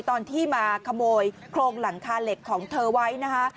ตอนที่มาขโมยโครงหลังคาเหล็กของเธอไว้นะคะ